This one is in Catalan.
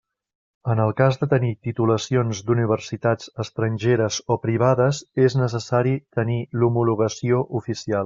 En el cas de tenir titulacions d'Universitats estrangeres o privades és necessari tenir l'homologació oficial.